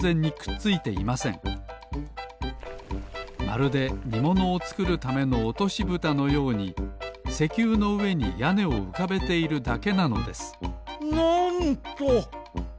まるでにものをつくるためのおとしぶたのように石油のうえにやねをうかべているだけなのですなんと！